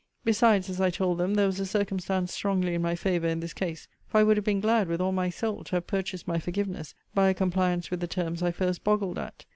Besides, as I told them, there was a circumstance strongly in my favour in this case: for I would have been glad, with all my soul, to have purchased my forgiveness by a compliance with the terms I first boggled at.